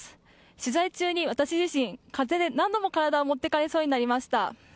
取材中に私自身、風で体を何度も持っていかれそうになりました。